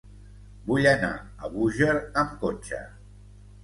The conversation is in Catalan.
Vull anar a Búger amb cotxe.